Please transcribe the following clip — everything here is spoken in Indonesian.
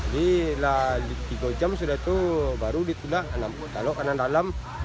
jadi tiga jam setelah itu baru ditulak terlalu ke dalam